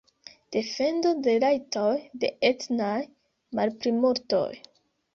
Defendo de la rajtoj de etnaj malplimultoj.